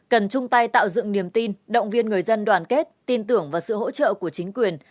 cần chung tay tạo dựng niềm tin động viên người dân đoàn kết tin tưởng vào sự hỗ trợ của chính quyền